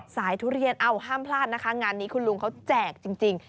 ทุเรียนเอ้าห้ามพลาดนะคะงานนี้คุณลุงเขาแจกจริง